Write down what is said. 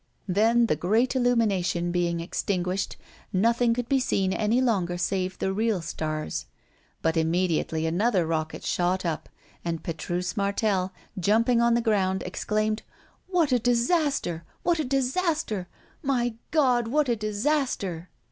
Then, the great illumination being extinguished, nothing could be seen any longer save the real stars. But immediately another rocket shot up, and Petrus Martel, jumping on the ground, exclaimed: "What a disaster! what a disaster! My God, what a disaster!"